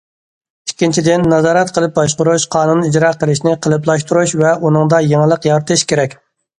ئىككىنچىدىن، نازارەت قىلىپ باشقۇرۇش، قانۇن ئىجرا قىلىشنى قېلىپلاشتۇرۇش ۋە ئۇنىڭدا يېڭىلىق يارىتىش كېرەك.